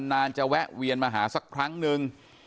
นานจะแวะเวียนมาหาสักครั้งนึง